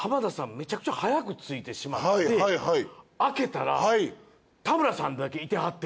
めちゃくちゃ早く着いてしまって開けたら田村さんだけいてはって。